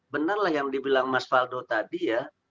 benar lah yang dibilang mas faldo tadi ya